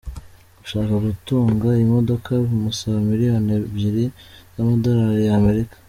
Ushaka gutunga iyi modoka bimusaba miliyoni ebyiri z’amadorari ya Amerika.